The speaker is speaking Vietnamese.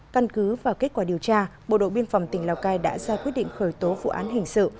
căn cứ vào kết quả điều tra bộ đội biên phòng tỉnh lào cai đã ra quyết định khởi tố vụ án hình sự